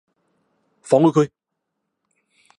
放開佢！